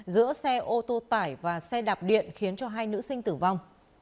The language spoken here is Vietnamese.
giữa xe ô tô tải và xe đạp điện khiến cho hai nữ sinh tử vong